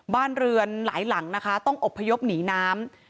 บ้านเรือนหลายหลังนะคะต้องอบพยพหนีน้ำ